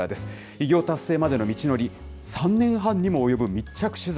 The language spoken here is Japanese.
偉業達成までの道のり、３年半にも及ぶ密着取材。